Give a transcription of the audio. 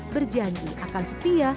berjanji akan setia